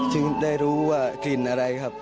ได้รู้ว่ากลิ่นอะไรครับ